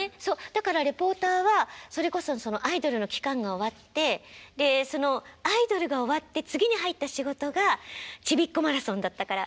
だからリポーターはそれこそアイドルの期間が終わってでそのアイドルが終わって次に入った仕事が「ちびっこマラソン」だったから。